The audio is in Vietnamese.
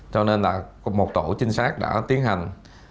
cho nên là một tổ trinh sát đã tiến hành